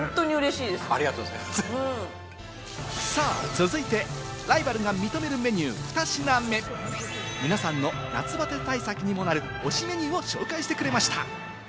続いてライバルが認めるメニュー２品目、皆さんの夏バテ対策にもなる推しメニューを紹介してくれました。